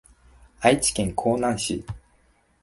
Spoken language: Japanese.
愛知県江南市